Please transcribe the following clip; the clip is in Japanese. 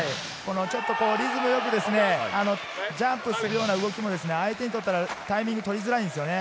リズムよく、ジャンプするような動きも相手にとったらタイミングを取りづらいんです。